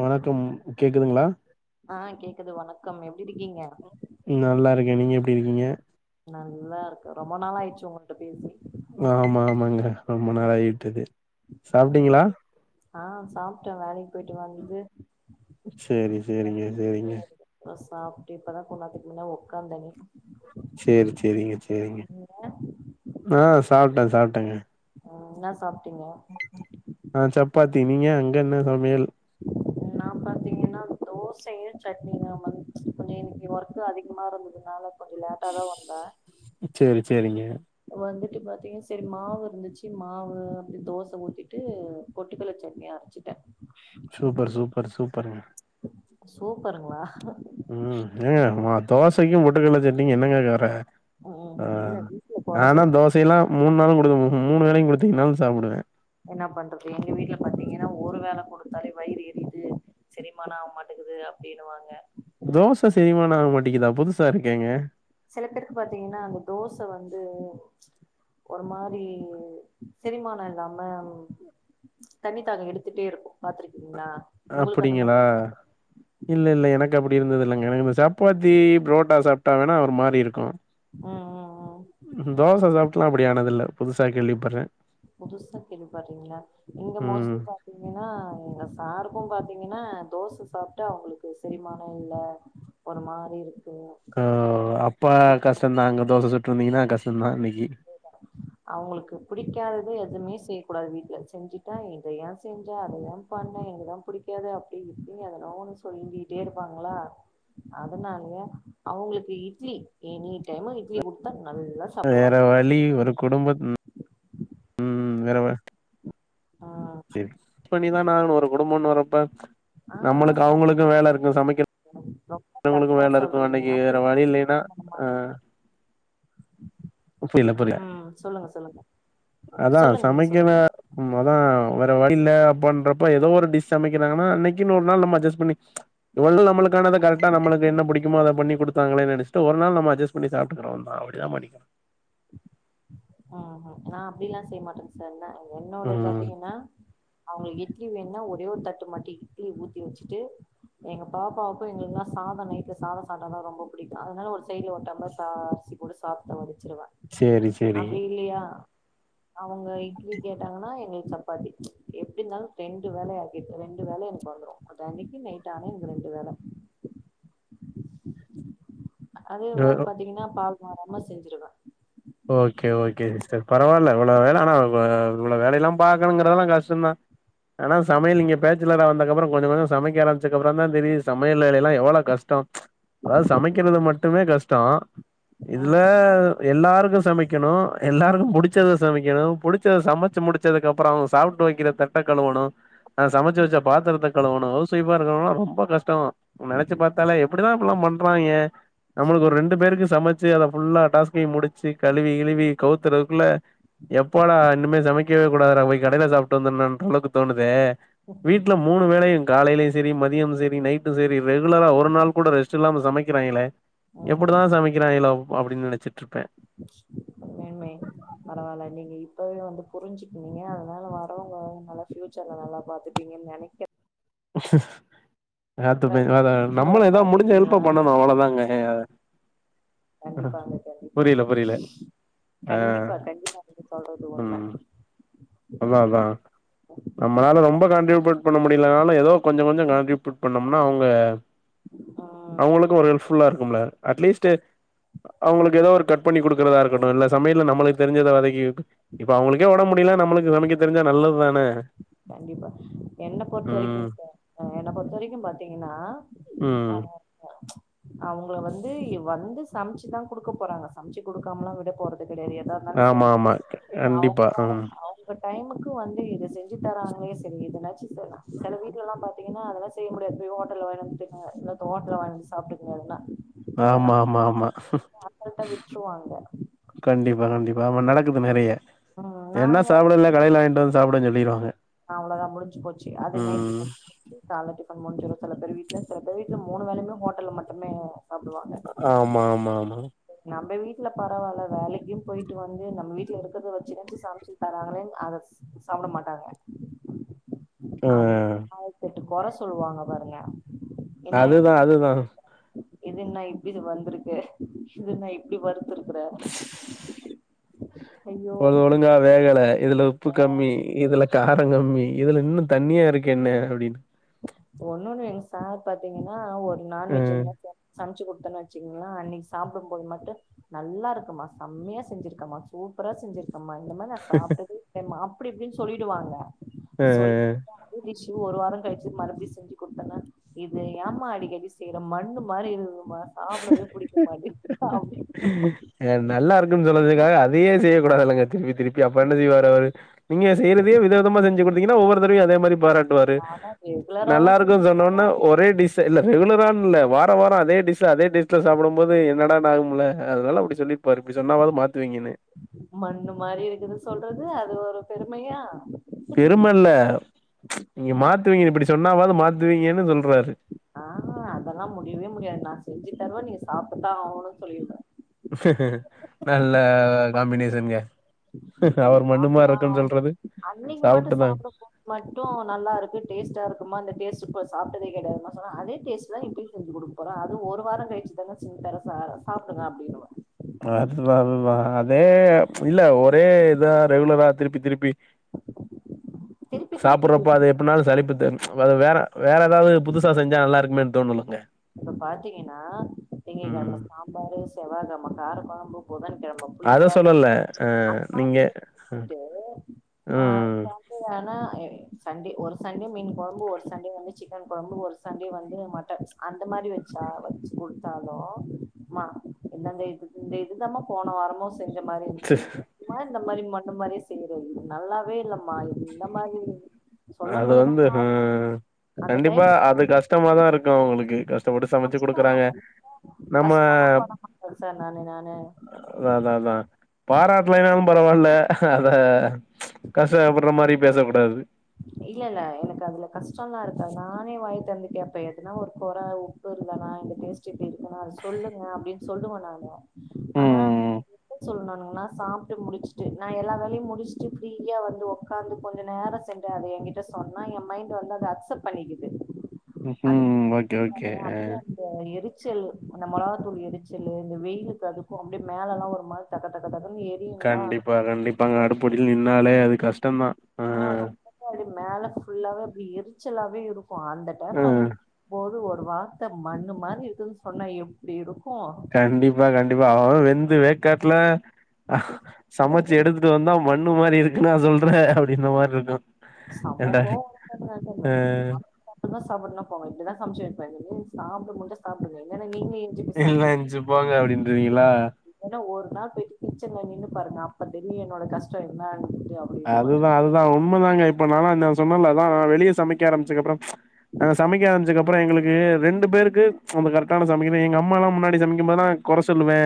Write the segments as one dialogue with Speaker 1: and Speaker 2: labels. Speaker 1: வணக்கம் கேக்குதுங்களா
Speaker 2: ஆ கேக்குது வணக்கம் எப்டி இருக்கீங்க
Speaker 1: நல்லா இருக்கேன் நீங்க எப்டி இருக்கீங்க
Speaker 2: நல்லா இருக்கு ரொம்ப நாள் ஆயிடுச்சு உங்கள்ட்ட பேசி
Speaker 1: ஆமா ஆமாங்க ரொம்ப நால்லாயிட்டுது
Speaker 2: ம்
Speaker 1: சாப்ட்டீங்களா
Speaker 2: ஆ சாப்ட்டேன் வேலைக்கு போயிட்டு வந்து
Speaker 1: சேரி சேரிங்க சேரிங்க
Speaker 2: [inaudible] இப்பதா சாப்ட்டு இப்பதான் கொன்நேரத்துக்கு மின்ன உக்காந்தனே
Speaker 1: சேரி சேரிங்க சேரிங்க
Speaker 2: நீங்க
Speaker 1: ஆ சாப்ட்டேன் சாப்ட்டேங்க
Speaker 2: ம் என்ன சாப்ட்டீங்க
Speaker 1: ஆ சப்பாத்தி நீங்க அங்க என்னா சமையல்
Speaker 2: நா நா பாத்தீங்கன்னா தோசையு சட்னியுதாமந் கொஞ்சோ இன்னைக்கி ஒர்க்கு அதிகமா இருந்ததுனால கொஞ்சோ லேட்டா தான் வந்தா
Speaker 1: சேரி சேரிங்க
Speaker 2: வந்துட்டு பாத்தீங்க சேரி மாவு இருந்துச்சு மாவு அப்புடி தோச ஊத்திட்டு பொட்டுகல்ல சட்னி அரைச்சுட்டேன்
Speaker 1: சூப்பர் சூப்பர் சூப்பர்ங்க
Speaker 2: சூப்பருங்களா
Speaker 1: உம் ஏங்க மா தோசைக்கும் பொட்டுக்கடல சட்னிக்கு என்னங்க கொற
Speaker 2: ம்
Speaker 1: ஆ
Speaker 2: இல்ல வீட்ல கொற
Speaker 1: நான்ல
Speaker 2: சொல்
Speaker 1: தோசை எல்லாம் மூணு நாளும் கொடுங்க மூணு வேளையும் குடுத்தீங்கன்னாலும் சாப்டுவேன்
Speaker 2: என்ன பண்றது எங்க வீட்டுல பாத்தீங்கன்னா ஒரு வேல கொடுத்தாலே வயிறு எரியுது செரிமான ஆவமாட்டுங்குது அப்டின்னுவாங்க
Speaker 1: தோச செரிமான ஆக மாட்டேங்குதா புதுசா இருக்கேங்க
Speaker 2: செல பேருக்கு பாத்தீங்கன்னா அந்த தோச வந்து ஒரு மாரி செரிமான இல்லாம தண்ணி தாகோ எடுத்துட்டே இருக்கு பாத்துருக்கீங்ளா
Speaker 1: அப்புடிங்களா இல்ல இல்ல எனக்கு அப்புடி இருந்தது இல்லங்க எனக்கு இந்த சப்பாத்தி புரோட்டா சாப்டா வேணா ஒரு மாறி இருக்கு
Speaker 2: ம் ம் ம்
Speaker 1: தோச சாப்டுலா அப்படி ஆனதில்ல புதுசா கேள்விபடுறே
Speaker 2: புதுசா கேள்வி படுறீங்ளா இங்க
Speaker 1: ம்.
Speaker 2: மோஸ்ட்லி பாத் இங்கனா எங்க சாருக்கு பாத்தீங்கன்னா தோச சாப்ட்டு அவுங்களுக்கு செரிமானோ இல்ல ஒரு மாரி இருக்கு
Speaker 1: ஆ அப்பா கஷ்டோ தாங்க தோச சுட்ருந்தீங்கன்னா கஷ்டோ தா இன்னைக்கி
Speaker 2: போய்டாரா அவுங்களுக்கு பிடிக்காதத எதுமே செய்ய கூடாது வீட்ல செஞ்சுட்டா இத ஏ செஞ்ச அத ஏ பண்ண எனக்கிதா புடிக்காதே அப்டி இப்டி எதனா ஒன்னு சொல்லிட்டே இருப்பாங்களா அதனாலயே அவுங்களுக்கு இட்லி எனி டைம்மு இட்லி குடுத்தா நல்லா
Speaker 1: வேற
Speaker 2: சாப்டுவாங்க
Speaker 1: வழி ஒரு குடும்பத் ம் வேற வ
Speaker 2: ஆ
Speaker 1: டிப்ஸ் பண்ணிதான ஆகனு ஒரு குடும்போன்னு வரப்ப
Speaker 2: ஆ
Speaker 1: நம்மளுக்கு
Speaker 2: சார்
Speaker 1: அவுங்களுக்கு வேல இருக்கு சமைக்க
Speaker 2: [unintelligible]
Speaker 1: மத்தவுங்களுக்கு வேல இருக்கு
Speaker 2: சொல்றீங்க
Speaker 1: இன்னைக்கு வேற
Speaker 2: அப்டி
Speaker 1: வழி இல்லலைனா அ புரியல.
Speaker 2: ஆ சொல்லுங்க சொல்லுங்க சொல்லுங்க நீங்க சொல்லுங்க
Speaker 1: அதா வேற வழியில்ல அப்பன்றப்போ ஏதோ ஒரு டிஷ் சமைக்கிறாங்கனா அன்னைக்கின் ஒரு நாள் நம்ம அஜஸ் பண்ணி இவ்ளோ நாள் நம்முளுக்கானது கரெக்டா நம்முளுக்கு என்ன புடிக்குமோ அத பண்ணி குடுத்தாங்களே நினைஸ்ட்டு ஒரு நாள் நம்ம அட்ஜஸ் உன் நீ சாப்பிட்டுக்குறோம்ரா அப்புடிதா மடிக்கா
Speaker 2: ஆ நா அப்டில்லா செய்ய மாட்ட சார் என்ன என்னோடது
Speaker 1: ம்
Speaker 2: பாத்தீங்கன்னா அவுங்களுக்கு இட்லி வேணுனா ஒரு ஒரே ஒரு தட்டு மட்டு இட்லி ஊத்தி வச்சுட்டு எங்க பாப்பாவுக்கு எங்களுக்குளா சாதோ நைட்ல சாதோ சாப்டாதா ரொம்ப புடிக்கு அதனால ஒரு சைடுல ஒரு டம்ளர் சா அரிசி போடு சாதத்த வடிச்சிருவ
Speaker 1: சேரி சே
Speaker 2: அப்டி இல்லையா அவங்க இட்லி கேட்டாங்கனா எங்களுக்கு சப்பாத்தி எப்டி இருந்தாலு ரெண்டு வேல ஆகிடு ரெண்டு வேல எனக்கு வந்துரு ஒரு அன்னைக்கு நைட் ஆனா எனக்கு ரெண்டு வேல அதே
Speaker 1: அ
Speaker 2: மாரி பாத்தீங்கனா பால் மாறாம செஞ்சிருவ
Speaker 1: ஓகே ஓகே சிஸ்டர் பரவால்ல இவ்ளோ வேல ஆனா இவ்ளோ வேலை எல்லா பாக்கணுகறதெல்லா கஷ்டோதா
Speaker 2: [inaudible]
Speaker 1: ஆனா சமையல் நீங்க
Speaker 2: ம்
Speaker 1: பேச்சுலரா வந்தக்கப்பறோ கொஞ்சோ கொஞ்சோ சமைக்க ஆரம் ச்சக்கப்பறோ தா தெரிது சமையல் வேல எல்லா எவளோ கஷ்டோ அதாது சமைக்கிறது மட்டுமே கஷ்டோ இதுல
Speaker 2: ம்
Speaker 1: எல்லாருக் கு சமைக்கணு எல்லாருக்கு புடிச்சத சமைக்கணு புடிச்சத சமைச்சு முடிச்சதுக்கு அப்பறோ அவங்க சாப் ட்டு வைக்கிற தட்ட கழுவனு சமைச்சு வச்ச பாத்திரத்த கழுவணு ஹவுஸ் வைஃப்பா இருக்கிறதெல்லா ரொம்ப கஷ்டோ நெனைச்சு
Speaker 2: ம்
Speaker 1: பாத்தாலே எப்டிதா அப்டிலா பண்றாங்க நம்மளுக்கு ஒரு ரெண்டு பேருக்கு சமச் சி அத ஃபுல்லா டாஸ்கயு முடிச்சு கழுவி கிழுவி கவுத்துறதுக்குள்ள எப்படா இனிமே சம சமைக்கவே குடாதுடா போய் கடையில சாப்ட்டு வந்துர்னுன் அந்த அளவுக்கு தோணுதே வீட்ல மூணு வேலயு காலையிலேயு செரி மதியமு செரி நைட்டு செரி ரெகுலரா ஒரு நாள் கூட ரெஸ்ட் இல்லாம சமைக்கிறாங்களே
Speaker 2: ம்
Speaker 1: எப்படிதா சமைக்கிறாய்ங்களோ அப்புடின்னு நெனச்சிட்ருப்ப
Speaker 2: மேன்மே பரவால நீங்க இப்பவே வந்து புரிஞ்சுப்பீங்க அதனால வரவங்க நல்லா ஃப்யூச்சர்ல நல்லா பாத்துப்பீங்கன்னு நனைக்க
Speaker 1: பாத்துப்பே அதா
Speaker 2: நல்லா
Speaker 1: நம்மளு எதோ முடிஞ்ச ஹெல்ப்ப
Speaker 2: பாத்துப்பீங்களான்னு
Speaker 1: பண்ணணு
Speaker 2: நென
Speaker 1: அவ்வளதாங்க
Speaker 2: கண்டிப்பாங்க கண்டிப்பாங்க
Speaker 1: புரியல ஆ
Speaker 2: கண்டிப்பா கண்டிப்பா நீங்க சொல்றது உண்ம
Speaker 1: ம் அதா அதா நம்மனால ரொம்ப காண்ட்ரிபியூட் பண்ண முடியலனாலு எதோ கொஞ்சோ கொஞ்சோ காண்ட்ரிபியூட் பண்ணோம்னா அவுங்க
Speaker 2: அ
Speaker 1: உங்களுக்கு ஒரு ஹெல்ப்ஃபுல்லா இருக்கும்ல அட்லீஸ்ட்டு அவங்களுக்கு எதோ ஒரு கட் பண்ணி குடுக்கறதா இருக்கட்டு இல்ல சமையல்ல நம்மளுக்கு தெரிஞ்சத வதக்கி இப்ப அவுங்களுக்கே ஒடம்பு முடில நம்மளுக்கு சமைக்க தெரிஞ்சா நல்லதுதான
Speaker 2: கண்டிப்பா என்ன பொறுத்த வரைக்கு க என்ன பொறுத்த வரைக்கு பாத்திங்ன்னா
Speaker 1: ம்
Speaker 2: அவங்கள வந்து வந்து சமைச்சுதா குடுக்க போறாங்க சமைச்சு குடுக்காமலா விட போறது கெடையாது எதா தாலு
Speaker 1: ஆமா
Speaker 2: சென்ட்
Speaker 1: ஆமா
Speaker 2: அவுங்க
Speaker 1: கண்டிப்பா
Speaker 2: வேற
Speaker 1: ம்
Speaker 2: அவுங்க டைமுக்கு வந்து இத செஞ் ஞ்சு தராங்களே செரி இதனாச்சு செய்லா சில வீட்டுலலா பாத்திங்கன்னா அதெல்லா செய்ய முடியாது போய் ஹோட்டல்ல வாயினு வந்து திண்ணுங்க ஹோட்டல்ல வாங்கி சாப்பிட்டு [unintelligible] எதனா
Speaker 1: ஆமா ஆமா ஆமா
Speaker 2: [unintelligible] சாப்பல்னா விட்டுருவாங்க
Speaker 1: கண்டிப்பா கண்டிப்பா ஆமா நடக்குது நெறைய
Speaker 2: ம்
Speaker 1: வேண்ணா
Speaker 2: நாங்க
Speaker 1: சாப்புடு இல்ல கடையில வாங்கிட்டு வந்து சாப்புடு சொல்லீருவாங்க
Speaker 2: அவ்ளோதா முடிஞ்சு போச்சு அது நைட்டு [inaudible] கால்ல டிபன் முடிஞ்சிரு சில பேர் வீட்டுல சில பேர் வீட்டுல மூணு வேலயுமே ஹோட்டல்ல மட்டுமே சாப்புடுவாங்க
Speaker 1: ஆமா ஆமா ஆமா
Speaker 2: நம்ம வீட்ல பரவால்ல வேலைக்கு போயிட்டு வந்து நம்ம வீட்டுல இருக்கறத வச்சுனாச்சு சமச்சு அம்மு அத ஸ் சாப்பட மாட்டாங்க
Speaker 1: ஆ
Speaker 2: அது ஆயிரத்தெட்டு கொற சொல்லுவாங்க பாருங்க என்ன
Speaker 1: அதுதா
Speaker 2: இது
Speaker 1: அதுதா
Speaker 2: இது என்ன இப்டி வந்துருக்கு இது என்ன இப்டி வருத்துருக்குற
Speaker 1: [inaudible] ஒழு ஒழுங்கா வேகல இதுல உப்பு கம்மி இதுல காரோ கம்மி இதுல இன்னு தண்ணியா இருக்குன்னு அப்டின்னு
Speaker 2: ஒன்னொண்ணு எங்க சார் பாத்திங்கன்னா ஒரு நாண்வெஜ்
Speaker 1: ம்
Speaker 2: எதுனா ச சமச்சு குடுத்தன்னா வெச்சிங்கனா அன்னிக்கு சாப்புடும் போது மட்டு நல்லா இருக்குமா செம்மையா செஞ்சிருக்கமா சூப்பரா செஞ்சிருக் அம்மா இந்த மாரி நா சாப்ட்டதே இல்ல மா அப்டி இப்டின்னு சொல்லிடுவாங்க
Speaker 1: ஆ
Speaker 2: சொல்
Speaker 1: ஆ
Speaker 2: [inaudible] ஒரு வாரோ கழி ச்சு மறுபடியு செஞ்சு குடுத்தன்னா இது ஏம்மா அடிக்கடி செய்யற மண்ணு மாரி இருக்குது மா சாப்படவே புடிக்க மாட்டி அப்டி
Speaker 1: அ நல்லா இருக்குன்னு சொன்னதுக்காக அதையே செய்ய கூடாதுல்லங்க திருப்பி திருப் அப்பறோ என்ன செய்வார் அவரு நீங்க செய்ரதே வித விதமா செஞ்சு குடுத்திங்கன்னா ஒவ்வொரு தடவயு அதே மாரி பாராட் வாரு
Speaker 2: நானா ரெகுலராவா
Speaker 1: நல்லா இருக்க சொன்னோன்ன ஒரே டிஸ் இல்ல ரெகுலரானு இல்ல வாரோ வாரோ அதே டிஸ் அதே டேஸ்ட்ல சாப்புடும் போது என்னடான்னு ஆகும்ல அதனால அப்படி சொல்லிருப்பாரு இப்படி சொன்னாவது மாத்துவீங்கன்னு
Speaker 2: மண்ணு மாரி இருக்குது சொல்றது அது ஒரு பெருமையா
Speaker 1: பெரும இல்ல நீங்க மாத்துவீங்கனு இப்படி சொன்னாவது மாத்துவீங்கன்னு சொல்றாரு
Speaker 2: அ அதல்லா முடியவே முடியாது நா செஞ்சு தருவ நீங்க சாப்ட்டுதா ஆவுணுன்னு சொல்லிருவ
Speaker 1: நல்ல காம்பினேஷன்ங்க
Speaker 2: நீ
Speaker 1: அவர் மண்ணு மாரி
Speaker 2: சாப்டுதான்
Speaker 1: இருக்குன்னு
Speaker 2: ஆகணு
Speaker 1: சொல்றது
Speaker 2: அன்னைக்கு மட்டும்
Speaker 1: சாப்ட்டுதா
Speaker 2: சாப்பிடப்ப மட்டும் நல்லா இருக்கு டேஸ்டா இருக்குமா அந்த டேஸ்டு இப்ப சாப்டதே கிடையாது நான் சொன்னேன் அதேடேஸ்ட் தான் இப்பயு செஞ்சு கொடு அப்புறம் அது ஒரு வார கழிச்சு தான செஞ்சுதர சாப்பிடுங்க அப்பிடின்னுவே
Speaker 1: அதுதா அதுதா அதே இல்ல ஒரே இதான் ரெகுலரா திருப்பி திருப்பி
Speaker 2: திருப்பி திருப்பி
Speaker 1: சாப்படுறப்ப அதே பண்ணாலும்சலிப்பு தான் வேற வேற ஏதாவது புதுசா செஞ்சா நல்லா இருக்குமேன்னு தோனனுங்க
Speaker 2: இப்ப பாத்தீங்கன்னா திங்க கிழம
Speaker 1: ம்
Speaker 2: சாம்பாரு செவ்வாகிழம காரகுழம்பு புதன்கிழம
Speaker 1: அத
Speaker 2: புளிசாதோ
Speaker 1: சொல்லல அ
Speaker 2: அந்த மாரி
Speaker 1: நீங்க
Speaker 2: செஞ்சு
Speaker 1: ம்
Speaker 2: குடுத்துட்டு
Speaker 1: ம்
Speaker 2: அ ஆனா சண்டே ஒரு சண்டே மீன் குழம்பு ஒரு சண்டே வந்து சிக்கன் குழம்பு ஒரு சண்டே வந்து மட்டன் அந்த மாரி வச்சா வச்சு கொடுத்தாலு அம்மா என்னந்த இது இந்த இதுதாமா போன வாரமு செஞ்ச மாரி இருந்துச்சு இந்த மாரி மன்ன மாரியே செய்யறது நல்லாவே இல்ல இல்லம்மா என்னமா இது சொல்லும்
Speaker 1: அது
Speaker 2: போதுதா
Speaker 1: வந்து அ
Speaker 2: அந்த
Speaker 1: கண்டிப்பா
Speaker 2: டைம்ல
Speaker 1: அது கஷ்டமாதா இருக்கு அவங்களுக்கு கஷ் கஷ்டப்பட்டு சமைச்சு
Speaker 2: கஷ்ட
Speaker 1: கொடுக்குறாங்க நம்ம
Speaker 2: கஷ்டல்லா பட மாட்டே சார் நானு நானு
Speaker 1: அதா அதான் அதான் பாராட்டலனாலு பரவாயில்ல அத கஷ்டப்படு்ற மாதிரி பேசக்கூடாது
Speaker 2: இல்ல இல்ல எனக்கு அதுல கஷ்டோல்லாம் இருக்காது நானே வாய் திறந்து கேப்பேன் எதுனா ஒரு குறை இருந்தானா அந்த டேஸ்ட் எப்படி இருக்குன்னா அது சொல்லுங்க அப்படின்னு சொல்லுவே நானு ஆனா
Speaker 1: ம்
Speaker 2: எப்ப சொல்லணுகனா சாப்பிட்டு முடிச்சுட்டு நான் எல்லா வேலையு முடிச்சுட்டு ஃப்ரீயா வந்து உக்காந்து கொஞ்ச நேரோ அதை என்கிட்ட சொன்னா என் மைண்ட் வந்து அத அக்செப்ட் பண்ணிக்குது அந்த
Speaker 1: ம் ஓகே ஓகே
Speaker 2: அப்டியே அந்த எரிச்சல் அந்த மிளகாத்தூள் எரிச்சல் இந்த வெயிலுக்கு அதுக்கு அப்படியே மேல எல்லா ஒரு மாதிரி தக தகன்னு
Speaker 1: கண்டிப்பா கண்டிப்பாங்க அடுப்படில நின்னாலே அது கஷ்டம்தா
Speaker 2: ஆ அப்டி மேல ஃபுல்லாவே அப்படி எரிச்சலாவே இருக்கும் அந்த
Speaker 1: ஆ
Speaker 2: டைம்ல வந்து நின்னு ஒருவ மண்ணு மாதிரி இருக்குதுன்னு சொன்னா எப்படி இருக்கு
Speaker 1: கண்டிப்பா கண்டிப்பா அவன்அவ வெந்து வேக்காட்டுலா அ சமைச்சு எடுத்துட்டு வந்தா மண்ணு மாதிரி இருக்கு நா சொல்ற அப்படினா மாதிரி இருக்கு
Speaker 2: செம்ம
Speaker 1: ஏன்டா
Speaker 2: கோவோ வரும்
Speaker 1: ஆ
Speaker 2: பாருங்க சாப்புட்றன சாப்டு இல்லனா போ இப்டிதான் சமைச்சு வப்பேன் சாப்பிட முடுஞ்சா சாப்பிடுங்க இல்லன்னா நீங்கள
Speaker 1: இல்லனா எஞ்சு போங்க அப்படின்றுவீங்களா
Speaker 2: இல்லன்னா ஒரு நாள் போயிட்டு கிட்சென்ல நின்னு பாருங்க அப்ப தெரியு என்னோட கஷ்டோ என்னான்ட்டு அப்
Speaker 1: அதுதான் அதுதான் உண்மைதாங்க இப்ப நாலா நான் சொன்னேலதான் நான் வெளியே சமைக்க ஆரம்பிச்சதுக்கு அப்புறம் நாங்க சமைக்க ஆரமிச்சதுக்கப்ரோ எங்களுக்கு ரெண்டு பேருக்கு கரெக்டான சமைக்கிறே எங்க அம்மாலா முன்னாடி சமைக்கும்போது லா குறை சொல்லுவே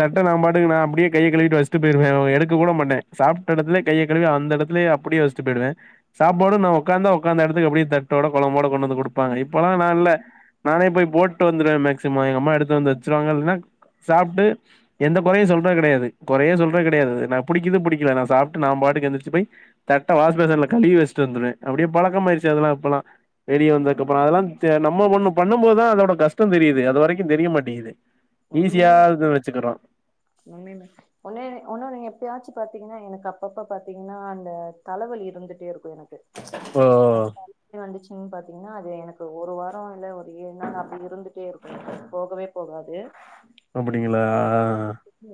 Speaker 1: தட்டை நா பாட்டுக்கு நா அப்படியே கையை கழுவிட்டு வச்ட்டு போயிருவே எடுக்க கூட மாட்டே சாப் இடத்துல கைய கழுவி அந்த இடத்துல அப்படியே வச்சுட்டு போயிடுவே சாப்பாடு நான் உக்காந்த உக்காந்த இடத்துக்கு அப்படியே தட்டோட குழம்போட கொண்டு வந்து கொடுப்பாங்க இப்பெல்லாம் நா இல்ல நானே போய் போட்டு வந்துருவே மேக்சிமம் எங்க அம்மா எடுத்து வந்து வச்சிருவாங்க இல்லனா சாப்ட்டு எந்த குறையு சொல்றது கிடையாது குறையே சொல்றது கிடையாது நான் புடிக்குது புடிக்கல நா சாப்ட்டு நான் பாட்டுக்கு எந்திரிச்சு போய் தட்ட வாஷ்பேசன்ல கழுவி வச்சுட்டு வந்துருவே அப்படியே பழக்கமாயாருச்சு அதெல்லா இப்பல்லா வெளிய வந்தக்கப்றோ அதெல்லாம் நம்ம ஒண்ணு பண்ணும்போதுதா அதோட கஷ்டந்தெரியுது அது வரைக்கு தெரிய மாட்டேங்குது ஈஸியாது வச்சுக்கிறோ
Speaker 2: உண்மை ம் ஒன்னு ஒன்னொன்னு நீங்க எப்பயாச்சும் பாத்தீங்ன்னா எனக்கு அப்பப்ப பாத்தீங்ன்னா இந்த தலவலி இருந்துட்டே இருக்கூ எனக்கு
Speaker 1: ஓ
Speaker 2: அந்த தண்ணி வந்துச்சு ம் பார்த்தீங்ன்னா அது எனக்கு ஒரு வாரொ இல்ல ஒரு ஏழு நாள் அப்டி இருந்துட்டே இருக்கூ போகவே போகாது
Speaker 1: அப்படிங்களா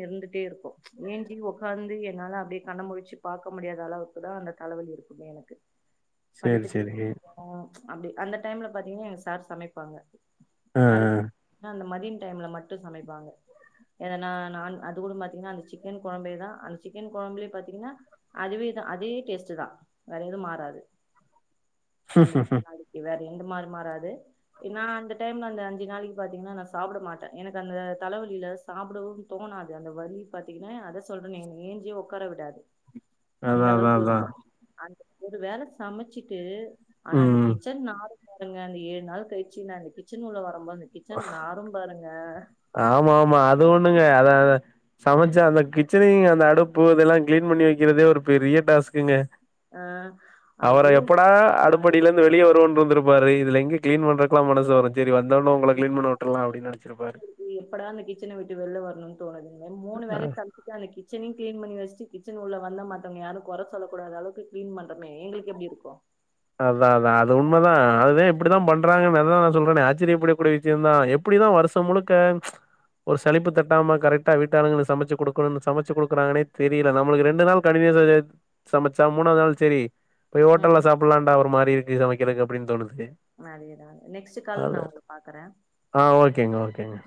Speaker 2: இருந்துட்டே இருக்கூ ஏஞ்சி ஒக்காந்து என்னால அப்டியே கண்ணமுழிச்சு பாக்க முடியாத அளவுக்கு தா அந்த தலவலி இருக் குமே எனக்கு
Speaker 1: சேரி
Speaker 2: படுத்துட்டே
Speaker 1: சேரி
Speaker 2: [inaudible] அப்டி அந்த டைம்ல பாத்தீங்ன்னா எங்க சார் சமைப்பாங்க
Speaker 1: ஆ
Speaker 2: அது
Speaker 1: ஆ
Speaker 2: கூ அ அந்த மதிய டைம்ல மட்டு சமைப்பாங்க எதனா நான் அது கூட பாத்தீங்கன்னா அந்த சிக்கன் கொழம்பேதா அந்த சிக்கன் கொழம்புலயே பாத்தீங்கன்னா அதுவேதான் அதே டேஸ்ட் தா வேற எதும் மாறாது அந்த நாலு நாளைக் இவர் எந்த மாரி மாறாது ஏன்னா அந்த டைம்ல அந்த அஞ்சு நாளைக்கு பாத்தீங்ன்னா நா சாப்ட மாட்ட எனக்கு அந்த தலவலில சாப்டவு தோணாது அந்த வலி பார்த்தீங்கன்னா அத சொல்றேன ஏஞ்சியே ஒக்காரவிடாது அந்த
Speaker 1: அதா அதா
Speaker 2: அளவுக்கு
Speaker 1: அதா
Speaker 2: இருக்கூ அந்த ஒரு வேல சமச்சிட்டு ஆனா அந்த
Speaker 1: ம்
Speaker 2: கிச்சன் நாரு பாருங்க அந்த ஏழு நாள் கழிச்சு நா அந்த கிச்சன் உள்ள வரும்போது அந்த கிச்சன் நாரும் பாருங்க
Speaker 1: ஆமா ஆமா அது ஒண்ணுங்க அத சமைச்சா அந்த கிச் ச்சனையு அந்த அடுப்பு இதெல்லா கிளீன் பண்ணி வைக்கிறதே ஒரு பெரிய டாஸ்க்குங்க
Speaker 2: ஆ
Speaker 1: அவர
Speaker 2: ஐயோ
Speaker 1: எப்படா
Speaker 2: மறுபடி
Speaker 1: அடுப்படில இருந்து வெளிய வ வோன்ருந்திருப்பாரு இதுல எங்க கிளீன் பண்றக்லா மனசு வரு செரி வந்த ஒட்ன உங்கள கிளீன் பண்ண விட்டுர்லா அப்டின்னு நெனச்சிருப்பாரு
Speaker 2: எப்படா அந்த கிச்சன விட்டு வெள்ள வரணுன் தோணுதுங்க மூணு வேல சமைக் ட்டு அந்த கிச்சனையு கிளீன் பண்ணி வச்ட்டு கிச்சன் உள்ள வந்தா மத்தவங்க யாரும் கொற சொல்ல கூடாத அளவுக்கு கிளீன் பண் றமே எங்களுக்கு எப்டி இருக்கூ
Speaker 1: அதா அதா அது உண்மதா அதேன் எப்டிதா பண்றாங்குன்னு அதா நா சொல்றனே ஆச்சரியப்படி கூடிய விஷயந்தா எப்டிதா வருஷம் முழுக்க ஒரு சலிப்பு தட்டாம கரெக்டா வீட்டாளுங்களுக்கு சமைச்சு குடுக்கணுன்னு சமைச்சு குடுக்குறாங்கன்னே தெரியில நம்மளுக்கு ரெண்டு நாள் கண்டினியூஸ்ஸா சமச்சா மூணாது நாள் செரி போய் ஓட்டல்ல
Speaker 2: ம்
Speaker 1: சாப்புல்லாண்டா ஒரு மாரி இருக்கு சமைக்கிறக்கு அப்டின் தோணுது
Speaker 2: அதேதா அதே நெக்ஸ்ட் கால்ல நா
Speaker 1: அது
Speaker 2: ஒங்கள பாக்குறே
Speaker 1: ஆ ஓகேங்க ஓகேங்க